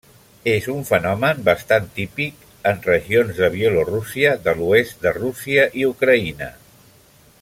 És un fenomen bastant típic en regions de Bielorússia, de l'oest de Rússia i Ucraïna.